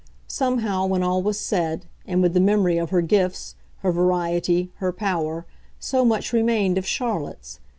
Somehow, when all was said, and with the memory of her gifts, her variety, her power, so much remained of Charlotte's!